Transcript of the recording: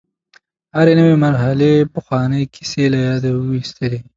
هرې نوې مرحلې پخوانۍ کیسې له یاده وویستلې.